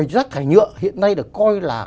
rác thải nhựa hiện nay được coi là